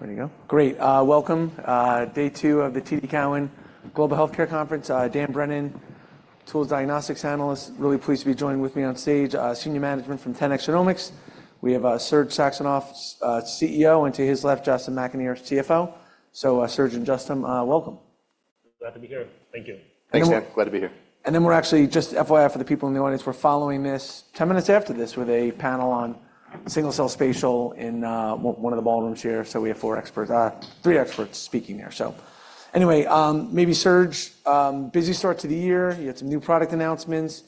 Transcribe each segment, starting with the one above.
There you go. Great! Welcome, day two of the TD Cowen Global Healthcare Conference. Dan Brennan, tools and diagnostics analyst. Really pleased to be joined with me on stage, senior management from 10x Genomics. We have, Serge Saxonov, CEO, and to his left, Justin McAnear, CFO. So, Serge and Justin, welcome. Glad to be here. Thank you. Thanks, Dan. Glad to be here. And then we're actually just FYI for the people in the audience. We're following this 10 minutes after this with a panel on single-cell spatial in one of the ballrooms here. So we have four experts, three experts speaking there. So anyway, maybe Serge, busy start to the year. You had some new product announcements.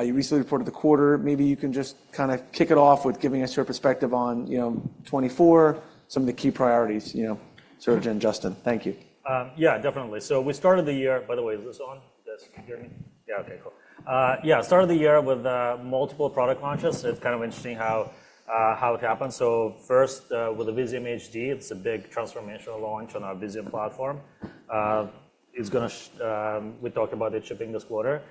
You recently reported the quarter. Maybe you can just kind of kick it off with giving us your perspective on, you know, 2024, some of the key priorities, you know, Serge and Justin. Thank you. Yeah, definitely. So we started the year. By the way, is this on? This, can you hear me? Yeah. Okay, cool. Yeah, started the year with multiple product launches. It's kind of interesting how it happened. So first, with the Visium HD, it's a big transformational launch on our Visium platform. It's gonna ship. We talked about it shipping this quarter.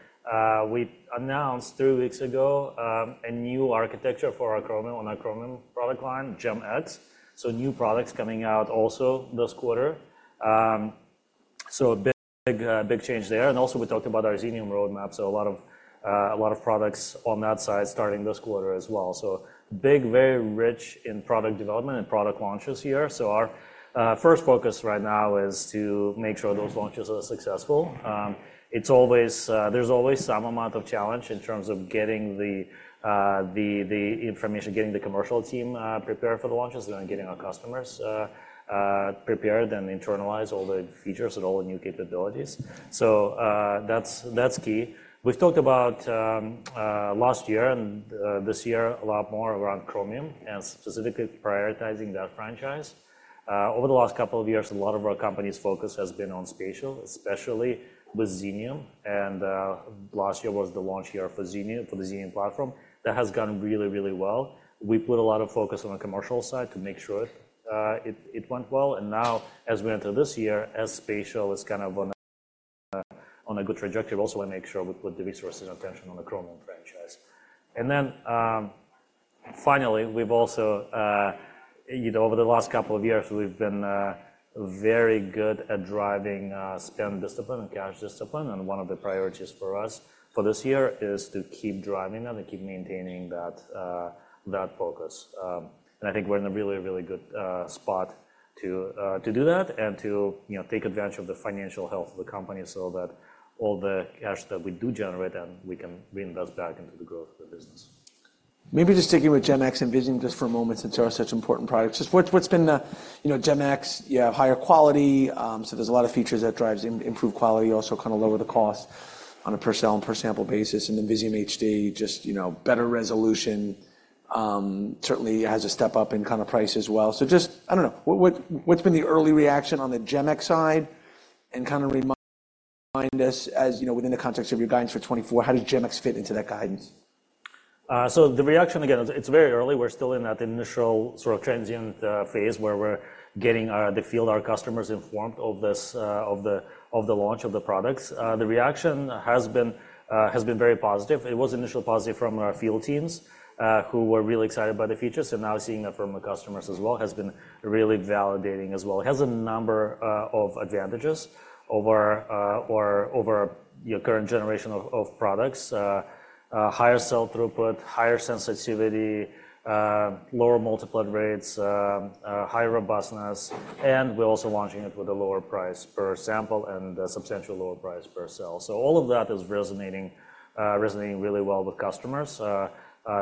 We announced three weeks ago a new architecture for our chromium, on our chromium product line, GEM-X. So new products coming out also this quarter. So a big, big change there. And also, we talked about our Xenium roadmap, so a lot of products on that side starting this quarter as well. So big, very rich in product development and product launches here. So our first focus right now is to make sure those launches are successful. It's always there's always some amount of challenge in terms of getting the information, getting the commercial team prepared for the launches, and then getting our customers prepared and internalize all the features and all the new capabilities. So, that's key. We've talked about last year and this year, a lot more around Chromium, and specifically prioritizing that franchise. Over the last couple of years, a lot of our company's focus has been on spatial, especially with Xenium, and last year was the launch year for Xenium, for the Xenium platform. That has gone really, really well. We put a lot of focus on the commercial side to make sure it went well. Now, as we enter this year, as spatial is kind of on a good trajectory, also we make sure we put the resources and attention on the chromium franchise. And then, finally, we've also... You know, over the last couple of years, we've been very good at driving spend discipline and cash discipline, and one of the priorities for us for this year is to keep driving that and keep maintaining that focus. And I think we're in a really, really good spot to do that and to, you know, take advantage of the financial health of the company so that all the cash that we do generate, we can reinvest back into the growth of the business. Maybe just sticking with GEM-X and Visium just for a moment, since they are such important products. Just what's been the... You know, GEM-X, you have higher quality, so there's a lot of features that drives improved quality, also kind of lower the cost on a per-cell and per-sample basis. And the Visium HD, just, you know, better resolution, certainly has a step up in kind of price as well. So just, I don't know, what's been the early reaction on the GEM-X side? And kind of remind us, as, you know, within the context of your guidance for 2024, how does GEM-X fit into that guidance? So the reaction, again, it's very early. We're still in that initial sort of transient phase, where we're getting the field, our customers informed of the launch of the products. The reaction has been very positive. It was initially positive from our field teams, who were really excited by the features, and now seeing that from the customers as well, has been really validating as well. It has a number of advantages over, you know, current generation of products. Higher cell throughput, higher sensitivity, lower multiplet rates, higher robustness, and we're also launching it with a lower price per sample and a substantial lower price per cell. So all of that is resonating really well with customers.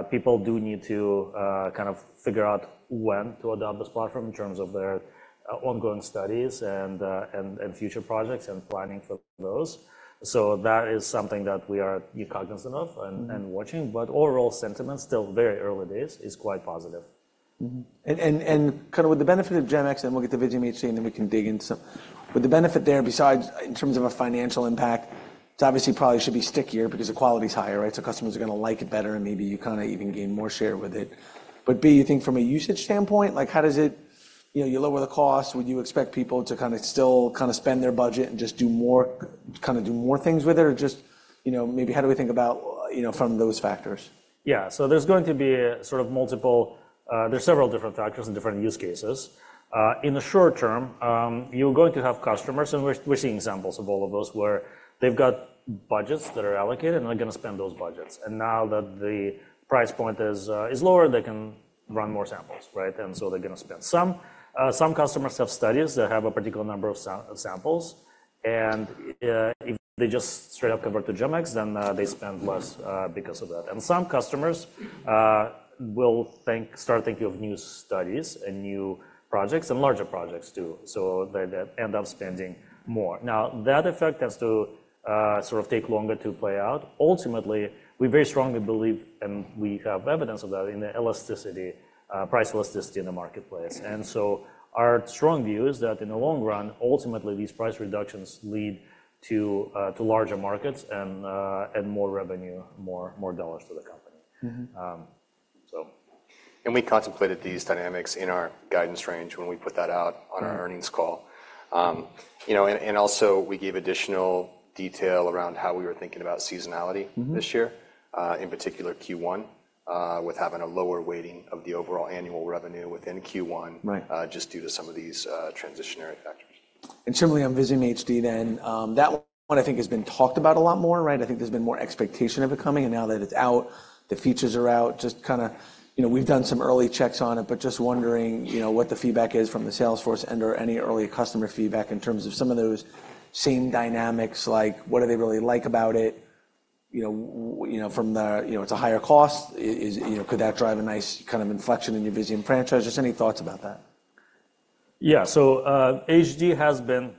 People do need to kind of figure out when to adopt this platform in terms of their ongoing studies and future projects and planning for those. So that is something that we are being cognizant of- Mm-hmm and watching. But overall sentiment, still very early days, is quite positive. Mm-hmm. And kind of with the benefit of GEM-X, then we'll get to Visium HD, and then we can dig into some. But the benefit there, besides in terms of a financial impact, it's obviously probably should be stickier because the quality is higher, right? So customers are going to like it better, and maybe you kind of even gain more share with it. But B, you think from a usage standpoint, like, how does it. You know, you lower the cost. Would you expect people to kind of still kind of spend their budget and just do more kind of do more things with it? Or just, you know, maybe how do we think about, you know, from those factors? Yeah. So there's going to be sort of multiple. There's several different factors and different use cases. In the short term, you're going to have customers, and we're seeing examples of all of those, where they've got budgets that are allocated, and they're going to spend those budgets. And now that the price point is lower, they can run more samples, right? And so they're going to spend. Some customers have studies that have a particular number of samples, and if they just straight up convert to GEM-X, then they spend less because of that. And some customers will start thinking of new studies and new projects and larger projects, too. So they end up spending more. Now, that effect has to sort of take longer to play out. Ultimately, we very strongly believe, and we have evidence of that, in the elasticity, price elasticity in the marketplace. And so our strong view is that in the long run, ultimately, these price reductions lead to larger markets and more revenue, more dollars for the company. Mm-hmm. Um, so. We contemplated these dynamics in our guidance range when we put that out. Mm on our earnings call. You know, and also, we gave additional detail around how we were thinking about seasonality- Mm-hmm this year, in particular, Q1, with having a lower weighting of the overall annual revenue within Q1. Right. Just due to some of these transitional factors. And similarly, on Visium HD then, that one I think has been talked about a lot more, right? I think there's been more expectation of it coming, and now that it's out, the features are out, just kind of, you know, we've done some early checks on it, but just wondering, you know, what the feedback is from the sales force and/or any early customer feedback in terms of some of those same dynamics, like what do they really like about it? You know, you know, from the, you know, it's a higher cost. Is, you know, could that drive a nice kind of inflection in your Visium franchise? Just any thoughts about that? Yeah. So, HD has been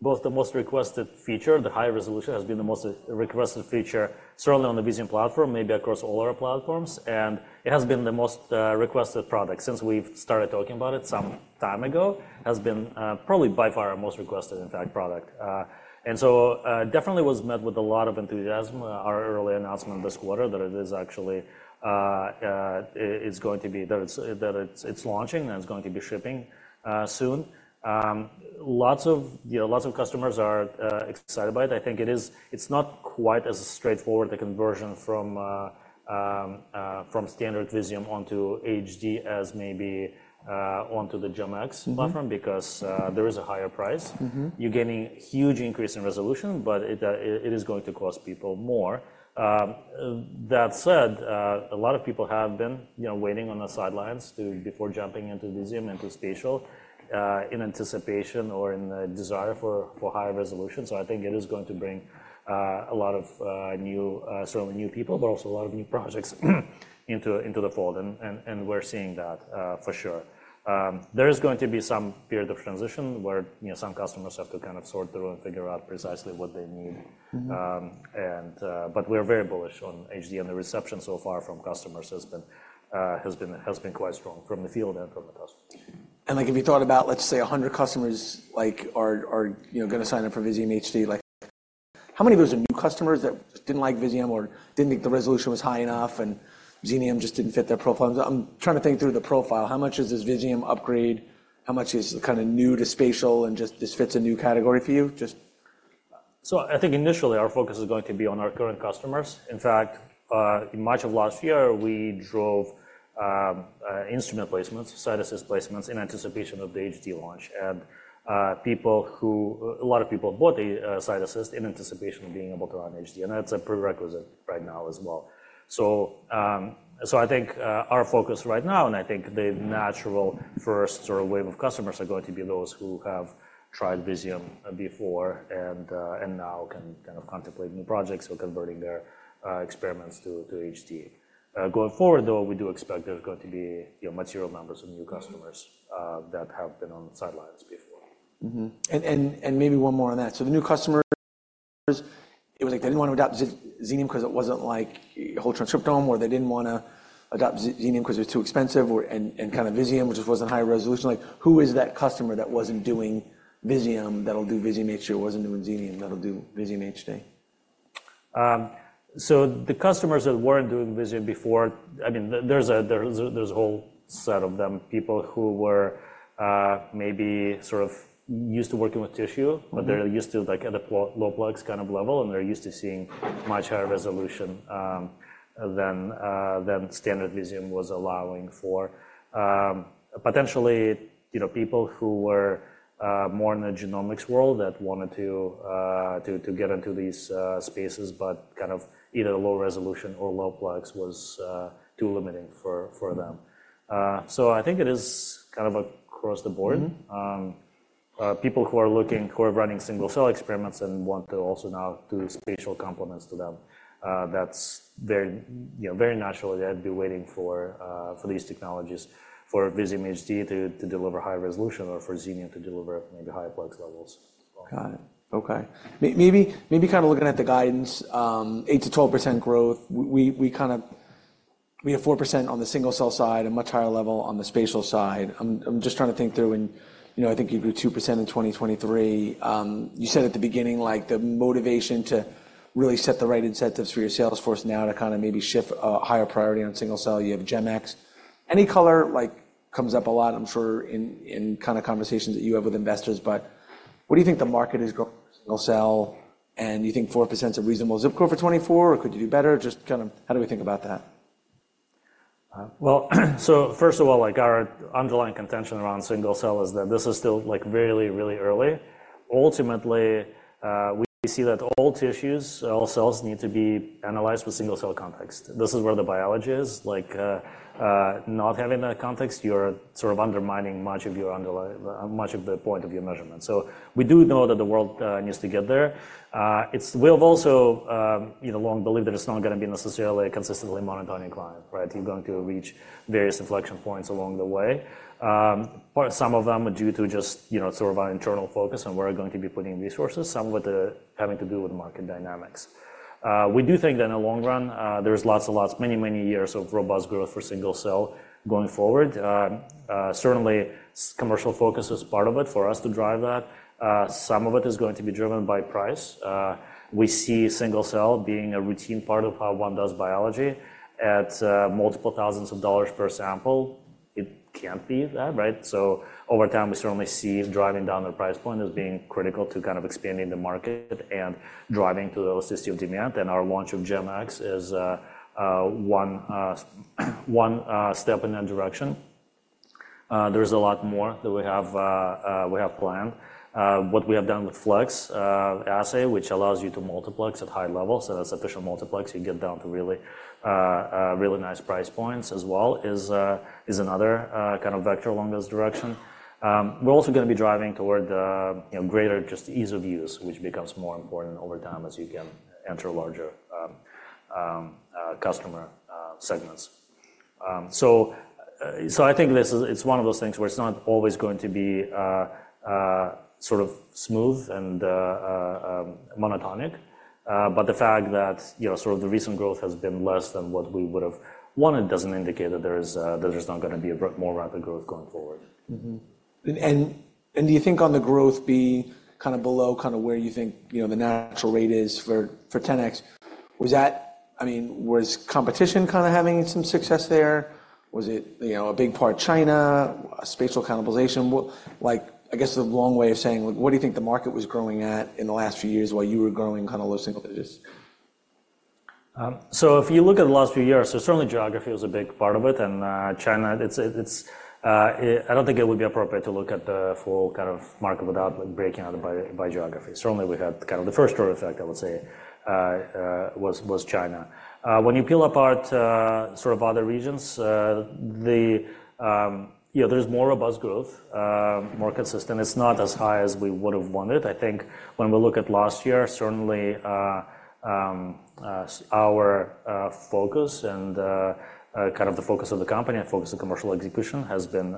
both the most requested feature, the high resolution has been the most requested feature, certainly on the Visium platform, maybe across all our platforms, and it has been the most requested product since we've started talking about it some time ago. Has been probably by far our most requested, in fact, product. And so, definitely was met with a lot of enthusiasm our early announcement this quarter, that it is actually it's going to be. That it's, that it's, it's launching, and it's going to be shipping soon. Lots of, you know, lots of customers are excited about it. I think it's not quite as straightforward, the conversion from standard Visium onto HD as maybe onto the GEM-X. Mm-hmm platform because there is a higher price. Mm-hmm. You're getting a huge increase in resolution, but it is going to cost people more. That said, a lot of people have been, you know, waiting on the sidelines to before jumping into Visium, into spatial, in anticipation or in the desire for higher resolution. So I think it is going to bring a lot of new, certainly new people, but also a lot of new projects into the fold, and we're seeing that for sure. There is going to be some period of transition, where, you know, some customers have to kind of sort through and figure out precisely what they need. Mm-hmm. But we're very bullish on HD, and the reception so far from customers has been quite strong from the field and from the customers. Like, have you thought about, let's say, 100 customers, like, are you know gonna sign up for Visium HD? Like, how many of those are new customers that didn't like Visium or didn't think the resolution was high enough, and Xenium just didn't fit their profile? I'm trying to think through the profile. How much is this Visium upgrade? How much is kind of new to spatial and just this fits a new category for you? Just. So I think initially, our focus is going to be on our current customers. In fact, in March of last year, we drove instrument placements, CytAssist placements, in anticipation of the HD launch. And, a lot of people bought the CytAssist in anticipation of being able to run HD, and that's a prerequisite right now as well. So, so I think our focus right now, and I think the natural first sort of wave of customers are going to be those who have tried Visium before and, and now can kind of contemplate new projects or converting their experiments to HD. Going forward, though, we do expect there's going to be, you know, material numbers of new customers- Mm-hmm that have been on the sidelines before. Mm-hmm. And maybe one more on that. So the new customers, it was like they didn't want to adopt Xenium 'cause it wasn't like a whole transcriptome, or they didn't wanna adopt Xenium 'cause it was too expensive or... and kind of Visium, which just wasn't high resolution. Like, who is that customer that wasn't doing Visium, that'll do Visium HD, or wasn't doing Xenium, that'll do Visium HD? So the customers that weren't doing Visium before, I mean, there's a whole set of them. People who were maybe sort of used to working with tissue Mm-hmm but they're used to, like, at a low, low plex kind of level, and they're used to seeing much higher resolution than standard Visium was allowing for. Potentially, you know, people who were more in the genomics world that wanted to get into these spaces, but kind of either low resolution or low plex was too limiting for them. So I think it is kind of across the board. Mm-hmm. People who are looking, who are running single-cell experiments and want to also now do spatial complements to them, that's very, you know, very naturally, they'd be waiting for, for these technologies, for Visium HD to, to deliver high resolution or for Xenium to deliver maybe higher plex levels. Got it. Okay. Maybe kind of looking at the guidance, 8%-12% growth. We kind of have 4% on the single-cell side and much higher level on the spatial side. I'm just trying to think through and, you know, I think you grew 2% in 2023. You said at the beginning, like, the motivation to really set the right incentives for your sales force now to kind of maybe shift a higher priority on single-cell. You have GEM-X. Any color, like, comes up a lot, I'm sure, in kind of conversations that you have with investors, but what do you think the market is going single-cell? And do you think 4%'s a reasonable zip code for 2024, or could you do better? Just kind of how do we think about that? Well, so first of all, like, our underlying contention around single cell is that this is still, like, really, really early. Ultimately, we see that all tissues, all cells need to be analyzed with single-cell context. This is where the biology is. Like, not having that context, you're sort of undermining much of the point of your measurement. So we do know that the world needs to get there. It's. We have also, you know, long believed that it's not gonna be necessarily a consistently monetizing client, right? You're going to reach various inflection points along the way. Some of them are due to just, you know, sort of our internal focus on where we're going to be putting resources, some with having to do with market dynamics. We do think that in the long run, there's lots and lots, many, many years of robust growth for single cell going forward. Certainly, some commercial focus is part of it for us to drive that. Some of it is going to be driven by price. We see single cell being a routine part of how one does biology at multiple thousands of dollars per sample... it can't be that, right? So over time, we certainly see driving down the price point as being critical to kind of expanding the market and driving to those system demand, and our launch of GEM-X is one step in that direction. There's a lot more that we have planned. What we have done with Flex assay, which allows you to multiplex at high levels, so that's official multiplex, you get down to really, really nice price points as well, is another kind of vector along this direction. We're also gonna be driving toward, you know, greater just ease of use, which becomes more important over time as you can enter larger customer segments. So I think this is. It's one of those things where it's not always going to be sort of smooth and monotonic. But the fact that, you know, sort of the recent growth has been less than what we would have wanted, doesn't indicate that there is not gonna be a more rapid growth going forward. Mm-hmm. And, and do you think on the growth be kind of below, kind of where you think, you know, the natural rate is for, for 10x? Was that I mean, was competition kind of having some success there? Was it, you know, a big part China, spatial cannibalization? What. Like, I guess, the long way of saying, what do you think the market was growing at in the last few years while you were growing kind of those single cells? So, if you look at the last few years, certainly geography was a big part of it, and China, it's. I don't think it would be appropriate to look at the full kind of market without breaking out it by geography. Certainly, we had kind of the first order effect, I would say, was China. When you peel apart sort of other regions, yeah, there's more robust growth, more consistent. It's not as high as we would have wanted. I think when we look at last year, certainly our focus and kind of the focus of the company and focus on commercial execution has been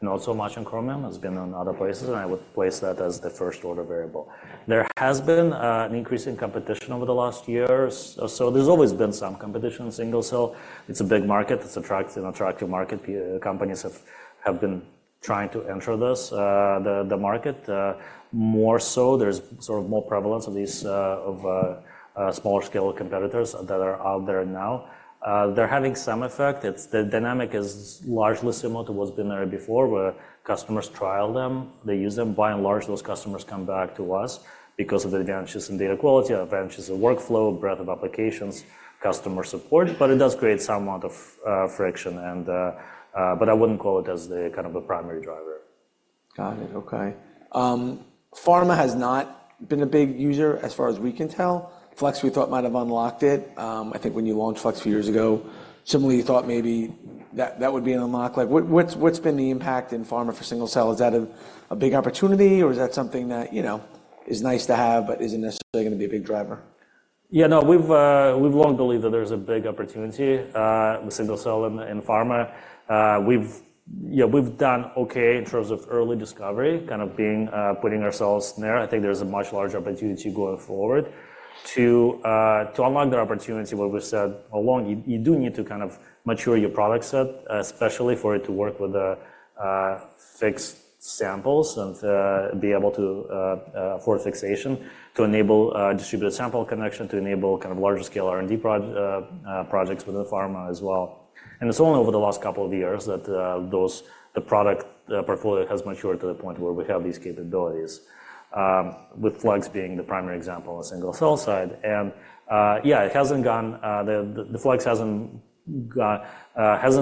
not so much on chromium, has been on other places, and I would place that as the first order variable. There has been an increase in competition over the last years. So there's always been some competition in single cell. It's a big market. It's an attractive market. Companies have been trying to enter this the market more so. There's sort of more prevalence of these of smaller scale competitors that are out there now. They're having some effect. It's the dynamic is largely similar to what's been there before, where customers trial them, they use them. By and large, those customers come back to us because of the advantages in data quality, advantages in workflow, breadth of applications, customer support, but it does create some amount of friction and but I wouldn't call it as the kind of a primary driver. Got it. Okay. Pharma has not been a big user, as far as we can tell. Flex, we thought, might have unlocked it. I think when you launched Flex a few years ago, similarly, you thought maybe that, that would be an unlock. Like, what's been the impact in pharma for single-cell? Is that a big opportunity, or is that something that, you know, is nice to have but isn't necessarily gonna be a big driver? Yeah, no, we've, we've long believed that there's a big opportunity with single-cell in pharma. Yeah, we've done okay in terms of early discovery, kind of being putting ourselves there. I think there's a much larger opportunity going forward to unlock the opportunity, what we've said along, you do need to kind of mature your product set, especially for it to work with the fixed samples and be able to for fixation, to enable distributed sample connection, to enable kind of larger scale R&D projects within the pharma as well. And it's only over the last couple of years that those, the product portfolio has matured to the point where we have these capabilities with Flex being the primary example on single-cell side. Yeah, the Flex hasn't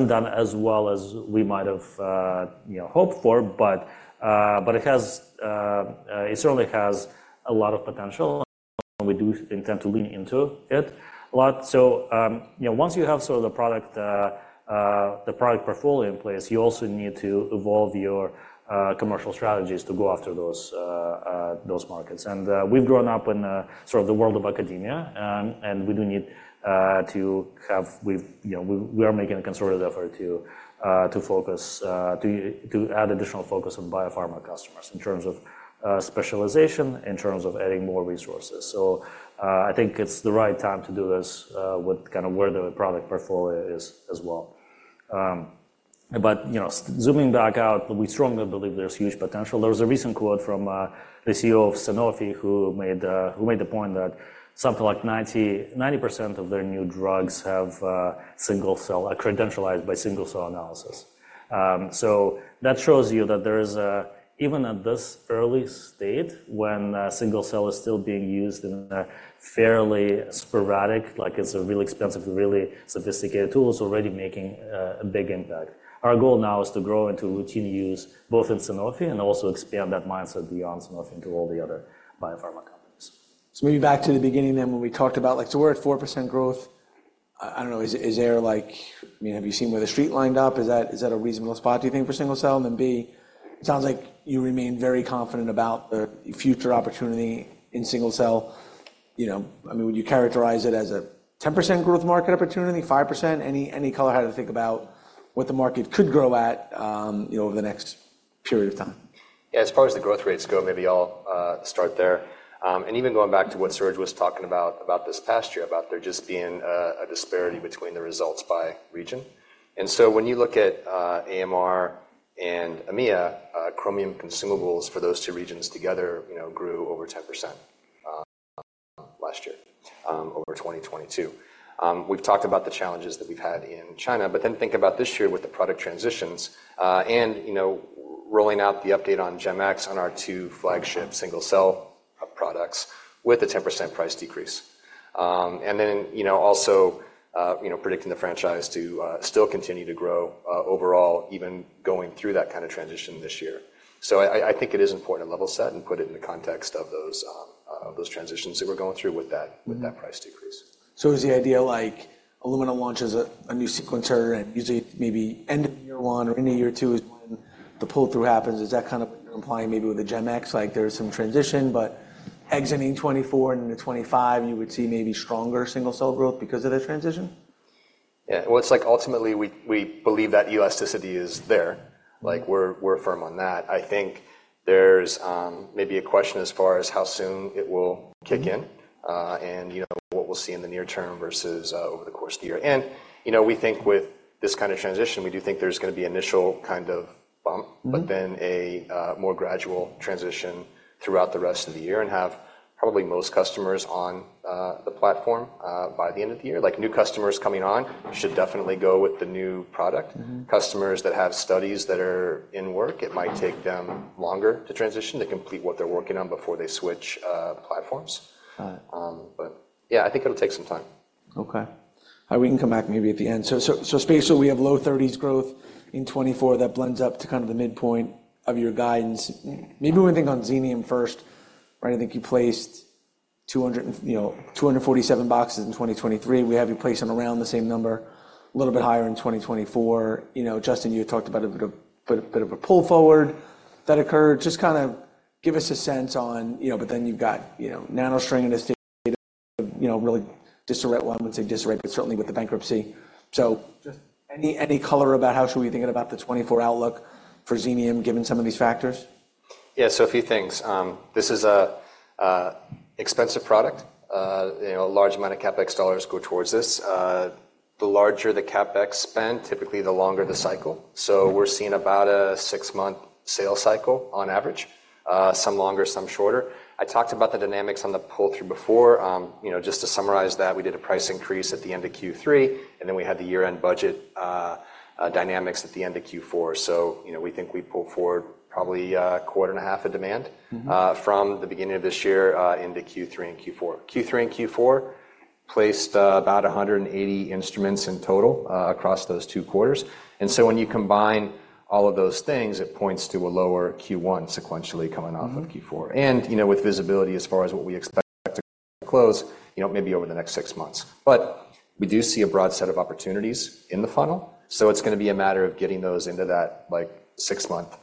done as well as we might have, you know, hoped for, but it certainly has a lot of potential, and we do intend to lean into it a lot. You know, once you have sort of the product portfolio in place, you also need to evolve your commercial strategies to go after those markets. We've grown up in sort of the world of academia, and, you know, we are making a concerted effort to focus, to add additional focus on biopharma customers in terms of specialization, in terms of adding more resources. So, I think it's the right time to do this, with kind of where the product portfolio is as well. But, you know, zooming back out, we strongly believe there's huge potential. There was a recent quote from the CEO of Sanofi, who made, who made the point that something like 90, 90% of their new drugs have single-cell are credentialed by single-cell analysis. So that shows you that there is even at this early stage, when single-cell is still being used in a fairly sporadic, like it's a really expensive, really sophisticated tool, it's already making a big impact. Our goal now is to grow into routine use, both in Sanofi and also expand that mindset beyond Sanofi into all the other biopharma companies. So maybe back to the beginning, then, when we talked about, like, so we're at 4% growth. I don't know, is there, like... I mean, have you seen where the street lined up? Is that a reasonable spot, do you think, for single cell? And then, B, it sounds like you remain very confident about the future opportunity in single cell. You know, I mean, would you characterize it as a 10% growth market opportunity, 5%? Any color how to think about what the market could grow at, you know, over the next period of time? Yeah, as far as the growth rates go, maybe I'll start there. And even going back to what Serge was talking about, about this past year, about there just being a disparity between the results by region. And so when you look at AMR and EMEA, chromium consumables for those two regions together, you know, grew over 10%, last year, over 2022. We've talked about the challenges that we've had in China, but then think about this year with the product transitions, and, you know, rolling out the update on GEM-X on our two flagship single-cell products with a 10% price decrease. And then, you know, also, you know, predicting the franchise to still continue to grow, overall, even going through that kind of transition this year. I think it is important to level set and put it in the context of those transitions that we're going through with that- Mm-hmm. with that price decrease. So is the idea like Illumina launches a new sequencer, and usually, maybe end of year one or into year two is when the pull-through happens. Is that kind of what you're implying maybe with the GEM-X? Like, there's some transition, but exiting 2024 into 2025, you would see maybe stronger single-cell growth because of the transition? Yeah. Well, it's like, ultimately, we, we believe that elasticity is there. Mm-hmm. Like, we're, we're firm on that. I think there's, maybe a question as far as how soon it will kick in. Mm-hmm And, you know, what we'll see in the near term versus, over the course of the year. And, you know, we think with this kind of transition, we do think there's going to be initial kind of bump. Mm-hmm But then more gradual transition throughout the rest of the year and have probably most customers on the platform by the end of the year. Like, new customers coming on should definitely go with the new product. Mm-hmm. Customers that have studies that are in work, it might take them longer to transition. To complete what they're working on before they switch, platforms. Right. But yeah, I think it'll take some time. Okay. We can come back maybe at the end. So spatially, we have low-30s growth in 2024. That blends up to kind of the midpoint of your guidance. Maybe one thing on Xenium first, right? I think you placed 200 and, you know, 247 boxes in 2023. We have you placing around the same number, a little bit higher in 2024. You know, Justin, you talked about a bit of a pull forward that occurred. Just kind of give us a sense on. You know, but then you've got, you know, NanoString and this, you know, really disarray. Well, I wouldn't say disarray, but certainly with the bankruptcy. So just any color about how should we be thinking about the 2024 outlook for Xenium, given some of these factors? Yeah, a few things. This is a expensive product. You know, a large amount of CapEx dollars go towards this. The larger the CapEx spend, typically the longer the cycle. Mm-hmm. So we're seeing about a six-month sales cycle on average, some longer, some shorter. I talked about the dynamics on the pull-through before. You know, just to summarize that, we did a price increase at the end of Q3, and then we had the year-end budget dynamics at the end of Q4. So, you know, we think we pulled forward probably, a quarter and a half of demand. Mm-hmm From the beginning of this year into Q3 and Q4. Q3 and Q4 placed about 180 instruments in total across those two quarters. And so when you combine all of those things, it points to a lower Q1 sequentially coming off of Q4. Mm-hmm. You know, with visibility as far as what we expect to close, you know, maybe over the next six months. But we do see a broad set of opportunities in the funnel, so it's gonna be a matter of getting those into that, like, six-month,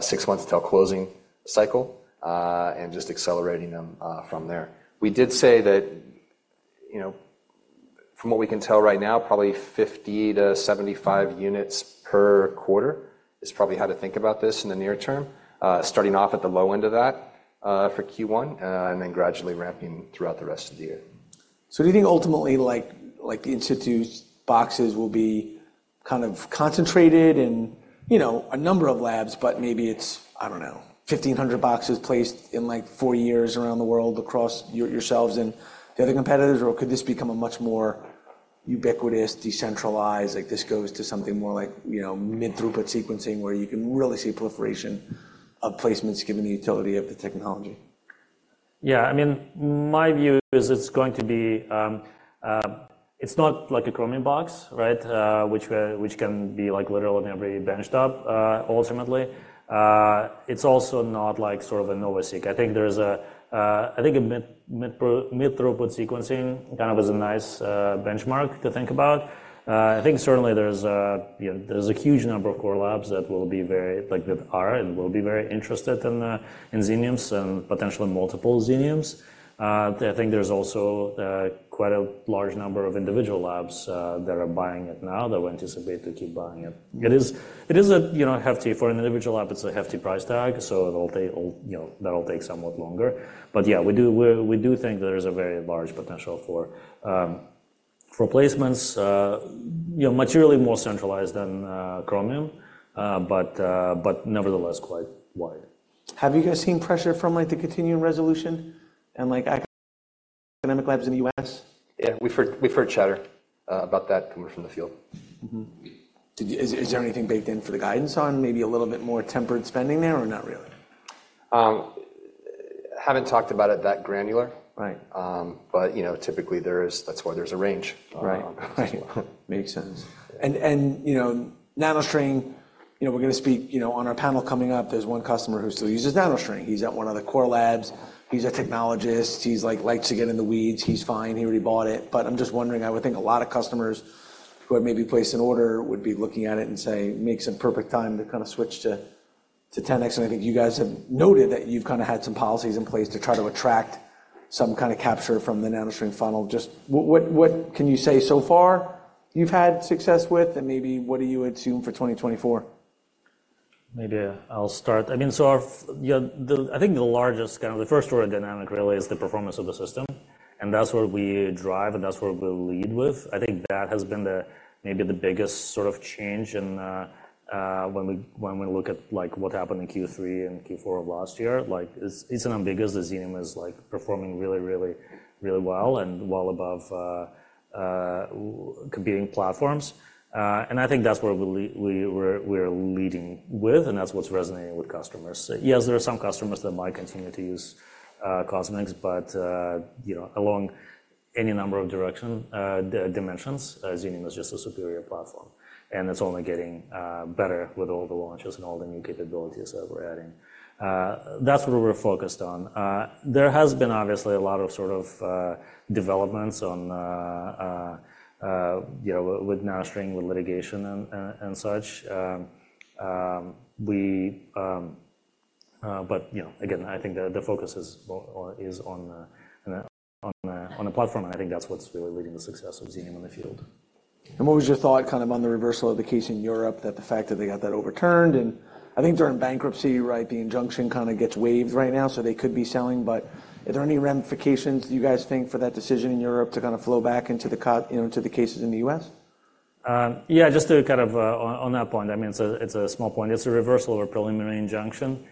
six months till closing cycle, and just accelerating them from there. We did say that, you know, from what we can tell right now, probably 50-75 units per quarter is probably how to think about this in the near term. Starting off at the low end of that, for Q1, and then gradually ramping throughout the rest of the year. So do you think ultimately, like, the institute's boxes will be kind of concentrated in, you know, a number of labs, but maybe it's, I don't know, 1,500 boxes placed in, like, four years around the world, across yourselves and the other competitors? Or could this become a much more ubiquitous, decentralized, like this goes to something more like, you know, mid-throughput sequencing, where you can really see a proliferation of placements given the utility of the technology? Yeah, I mean, my view is it's going to be. It's not like a Chromium box, right? Which can be, like, literally on every benchtop, ultimately. It's also not like sort of a NovaSeq. I think there's a, I think a mid-throughput sequencing kind of is a nice benchmark to think about. I think certainly there's a, you know, there's a huge number of core labs that will be very like, that are and will be very interested in the, in Xeniums and potentially multiple Xeniums. I think there's also quite a large number of individual labs that are buying it now, that we anticipate to keep buying it. It is a, you know, hefty for an individual lab, it's a hefty price tag, so it'll take, you know, that'll take somewhat longer. But yeah, we do think there is a very large potential for placements, you know, materially more centralized than Chromium, but nevertheless, quite wide. Have you guys seen pressure from, like, the continuum resolution and, like, academic labs in the U.S.? Yeah, we've heard, we've heard chatter about that coming from the field. Mm-hmm. Is there anything baked in for the guidance on maybe a little bit more tempered spending there or not really? Haven't talked about it that granular. Right. But, you know, typically there is. That's why there's a range. Right. Right. Makes sense. And, and, you know, NanoString, you know, we're going to speak, you know, on our panel coming up. There's one customer who still uses NanoString. He's at one of the core labs. He's a technologist. He's, like, likes to get in the weeds. He's fine. He already bought it. But I'm just wondering, I would think a lot of customers who had maybe placed an order would be looking at it and say, "Makes a perfect time to kind of switch to, to 10x." And I think you guys have noted that you've kind of had some policies in place to try to attract some kind of capture from the NanoString funnel. Just what, what, what can you say so far you've had success with, and maybe what do you assume for 2024? Maybe I'll start. I mean, so the, I think the largest, kind of, the first order dynamic really is the performance of the system, and that's where we drive, and that's where we'll lead with. I think that has been the, maybe the biggest sort of change in, when we, when we look at, like, what happened in Q3 and Q4 of last year. Like, it's, it's unambiguous that Xenium is, like, performing really, really, really well and well above competing platforms. And I think that's where we're leading with, and that's what's resonating with customers. Yes, there are some customers that might continue to use CosMx, but you know, along any number of directions, dimensions, Xenium is just a superior platform, and it's only getting better with all the launches and all the new capabilities that we're adding. That's what we're focused on. There has been obviously a lot of sort of developments on, you know, with NanoString, with litigation and, and such. But, you know, again, I think the focus is on the platform, and I think that's what's really leading the success of Xenium in the field. And what was your thought kind of on the reversal of the case in Europe, that the fact that they got that overturned? And I think they're in bankruptcy, right? The injunction kind of gets waived right now, so they could be selling, but are there any ramifications, do you guys think, for that decision in Europe to kind of flow back into the you know, to the cases in the U.S.? Yeah, just to kind of on that point, I mean, so it's a small point. It's a reversal of a preliminary injunction,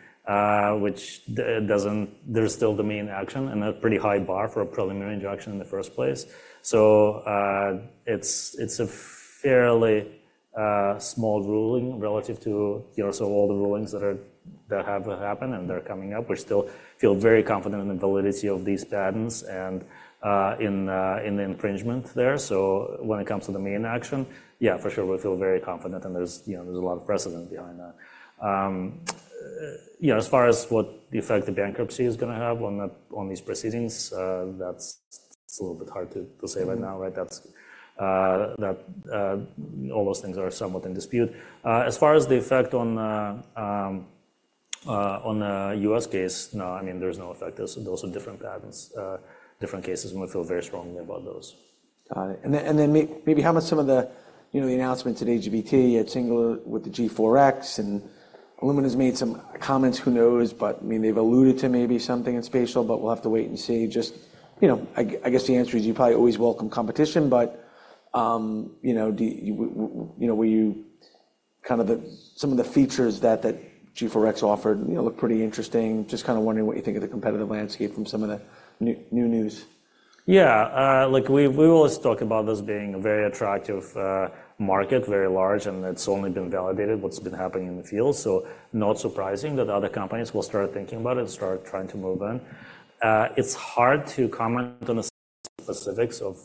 which doesn't. There's still the main action and a pretty high bar for a preliminary injunction in the first place. So, it's a fairly small ruling relative to, you know, so all the rulings that have happened, and that are coming up. We still feel very confident in the validity of these patents and in the infringement there. So when it comes to the main action, yeah, for sure, we feel very confident, and there's, you know, there's a lot of precedent behind that. You know, as far as what the effect the bankruptcy is gonna have on these proceedings, that's a little bit hard to say right now, right? That's all those things are somewhat in dispute. As far as the effect on the U.S. case, no, I mean, there's no effect. Those are, those are different patents, different cases, and we feel very strongly about those. Got it. And then maybe how much some of the, you know, the announcements at AGBT, at Singular with the G4X, and Illumina has made some comments, who knows? But, I mean, they've alluded to maybe something in spatial, but we'll have to wait and see. Just, you know, I guess the answer is you probably always welcome competition, but you know, do you you know, were you kind of some of the features that G4X offered, you know, look pretty interesting. Just kind of wondering what you think of the competitive landscape from some of the new news. Yeah, like, we always talk about this being a very attractive market, very large, and it's only been validated, what's been happening in the field. So not surprising that other companies will start thinking about it and start trying to move in. It's hard to comment on the specifics of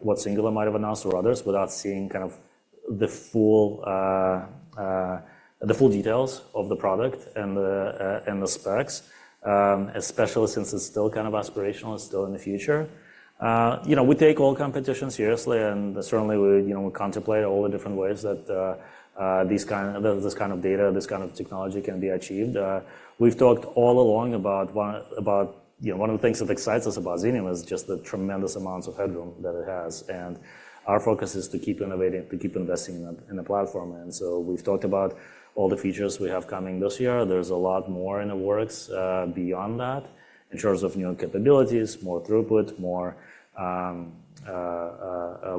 what Singular might have announced or others, without seeing kind of the full details of the product and the specs, especially since it's still kind of aspirational, it's still in the future. You know, we take all competition seriously, and certainly we, you know, contemplate all the different ways that this kind of data, this kind of technology can be achieved. We've talked all along about, you know, one of the things that excites us about Xenium is just the tremendous amounts of headroom that it has, and our focus is to keep innovating, to keep investing in the platform. And so we've talked about all the features we have coming this year. There's a lot more in the works beyond that, in terms of new capabilities, more throughput,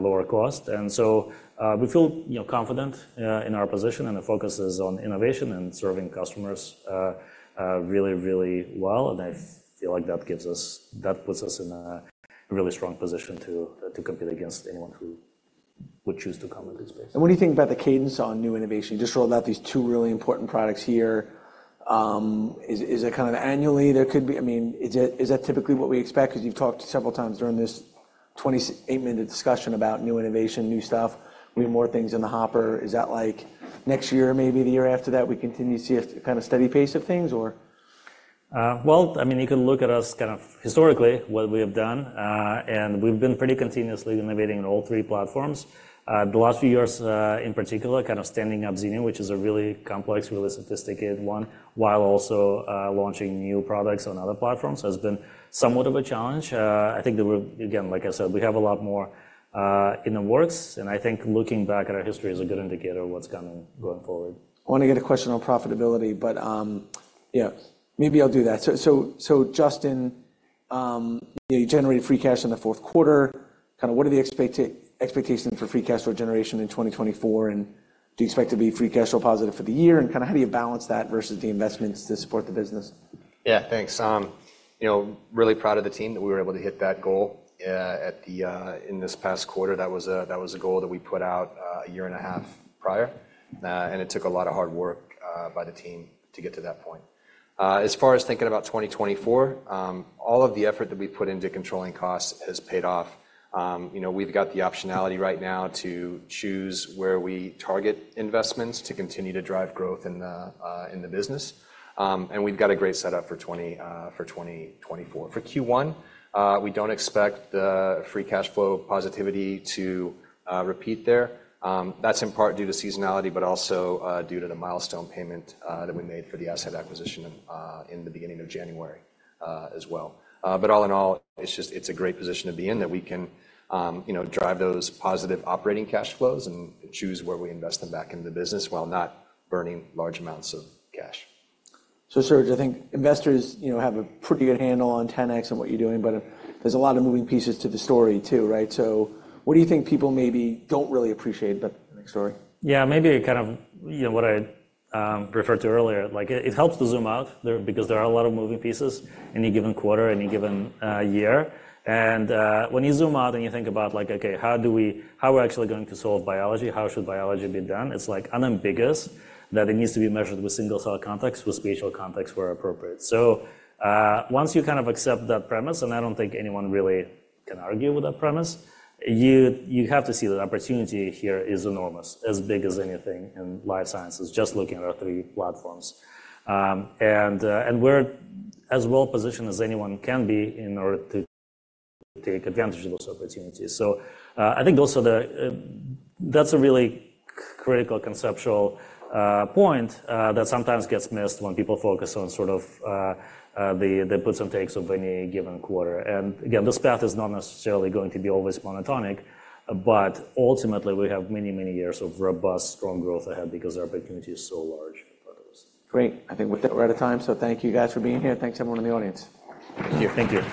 lower cost. And so, we feel, you know, confident in our position, and the focus is on innovation and serving customers really, really well, and I feel like that gives us- that puts us in a really strong position to compete against anyone who would choose to come into this space. What do you think about the cadence on new innovation? You just rolled out these two really important products here. Is it kind of annually? There could be I mean, is that typically what we expect? 'Cause you've talked several times during this 28-minute discussion about new innovation, new stuff. We have more things in the hopper. Is that, like, next year, maybe the year after that, we continue to see a kind of steady pace of things or? Well, I mean, you can look at us, kind of, historically, what we have done, and we've been pretty continuously innovating in all three platforms. The last few years, in particular, kind of standing up Xenium, which is a really complex, really sophisticated one, while also, launching new products on other platforms, has been somewhat of a challenge. I think that we're again, like I said, we have a lot more in the works, and I think looking back at our history is a good indicator of what's coming going forward. I want to get a question on profitability, but, yeah, maybe I'll do that. So, Justin, you generated free cash in the fourth quarter. Kind of what are the expectations for free cash flow generation in 2024, and do you expect to be free cash flow positive for the year, and kind of how do you balance that versus the investments to support the business? Yeah, thanks. You know, really proud of the team, that we were able to hit that goal in this past quarter. That was a goal that we put out a year and a half prior, and it took a lot of hard work by the team to get to that point. As far as thinking about 2024, all of the effort that we've put into controlling costs has paid off. You know, we've got the optionality right now to choose where we target investments to continue to drive growth in the business. And we've got a great setup for 2024. For Q1, we don't expect the free cash flow positivity to repeat there. That's in part due to seasonality, but also due to the milestone payment that we made for the asset acquisition in the beginning of January, as well. But all in all, it's just, it's a great position to be in, that we can, you know, drive those positive operating cash flows and choose where we invest them back in the business, while not burning large amounts of cash. So, Serge, I think investors, you know, have a pretty good handle on 10X and what you're doing, but there's a lot of moving pieces to the story, too, right? So what do you think people maybe don't really appreciate about the story? Yeah, maybe kind of, you know, what I referred to earlier. Like, it, it helps to zoom out there because there are a lot of moving pieces any given quarter, any given year. And, when you zoom out and you think about, like, okay, how do we- how we're actually going to solve biology, how should biology be done? It's, like, unambiguous that it needs to be measured with single-cell context, with spatial context where appropriate. So, once you kind of accept that premise, and I don't think anyone really can argue with that premise, you, you have to see that opportunity here is enormous, as big as anything in life sciences, just looking at our three platforms. And, and we're as well positioned as anyone can be in order to take advantage of those opportunities. So, I think also the... That's a really critical conceptual point that sometimes gets missed when people focus on sort of the puts and takes of any given quarter. And again, this path is not necessarily going to be always monotonic, but ultimately, we have many, many years of robust, strong growth ahead because the opportunity is so large for us. Great. I think we're out of time, so thank you, guys, for being here, and thanks, everyone, in the audience. Thank you. Thank you.